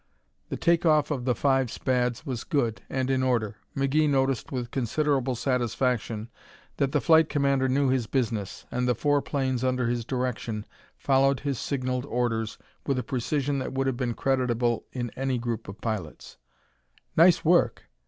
The take off of the five Spads was good, and in order. McGee noticed with considerable satisfaction that the flight commander knew his business, and the four planes under his direction followed his signaled orders with a precision that would have been creditable in any group of pilots. "Nice work!"